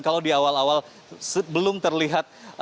kalau di awal awal belum terlihat